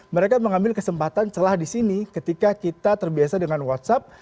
mereka mengambil kesempatan celah di sini ketika kita terbiasa dengan whatsapp